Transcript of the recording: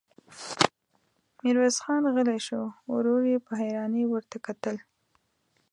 ميرويس خان غلی شو، ورور يې په حيرانۍ ورته کتل.